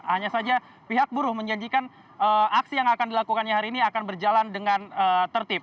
hanya saja pihak buruh menjanjikan aksi yang akan dilakukannya hari ini akan berjalan dengan tertib